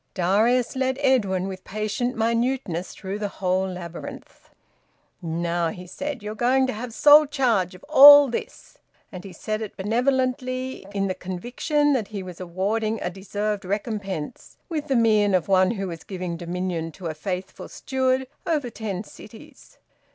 Darius led Edwin with patient minuteness through the whole labyrinth. "Now," he said, "you're going to have sole charge of all this." And he said it benevolently, in the conviction that he was awarding a deserved recompense, with the mien of one who was giving dominion to a faithful steward over ten cities.